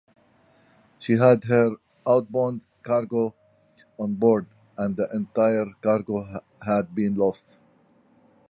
She had her outbound cargo on board and the entire cargo had been lost.